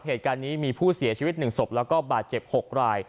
เหตุการณ์นี้มีผู้เสียชีวิต๑ศพแล้วก็บาดเจ็บ๖ราย